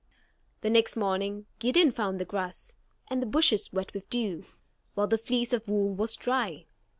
The next morning, Gideon found the grass, and the bushes wet with dew, while the fleece of wool was dry.